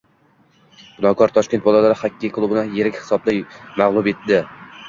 “Binokor” “Toshkent” bolalar xokkey klubini yirik hisobda mag‘lub etdi